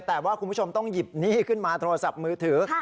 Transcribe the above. แต่ว่าคุณผู้ชมต้องหยิบหนี้ขึ้นมาโทรศัพท์มือถือ